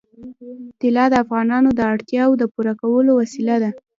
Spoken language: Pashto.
طلا د افغانانو د اړتیاوو د پوره کولو وسیله ده.